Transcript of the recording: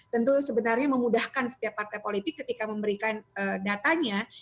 tentu sebenarnya memudahkan setiap partai politik ketika memberikan datanya